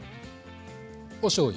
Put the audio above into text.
おしょうゆ。